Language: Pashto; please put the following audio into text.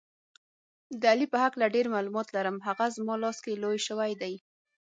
د علي په هکله ډېر معلومات لرم، هغه زما لاس کې لوی شوی دی.